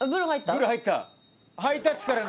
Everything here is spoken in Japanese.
ブル入った？